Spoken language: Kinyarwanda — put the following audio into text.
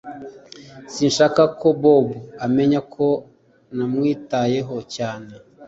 Sinshaka ko Bobo amenya ko namwitayeho cyane